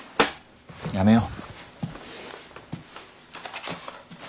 やめよう。